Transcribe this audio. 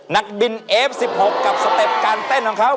นักบินเอฟ๑๖กับสเต็ปการเต้นของเขา